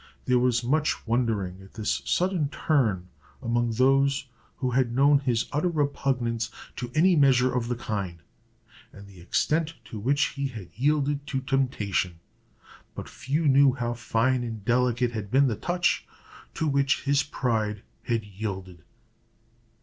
There was much wondering at this sudden turn among those who had known his utter repugnance to any measure of the kind, and the extent to which he had yielded to temptation; but few knew how fine and delicate had been the touch to which his pride had yielded.